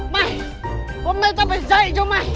mày hôm nay tao phải dậy cho mày